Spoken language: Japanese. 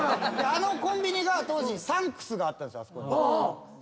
あのコンビニが当時サンクスがあったんですよ。